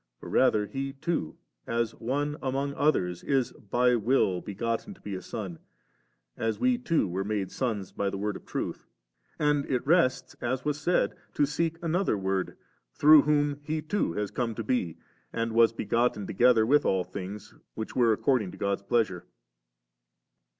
For rather He too, as one among others is by will begotten to be a Son, as we too were made sons by the Word of Truth; and it rests, as was said, to seek another Word, through whom He too has come to be, and was begotten together with all things, which were according to God's pleasure.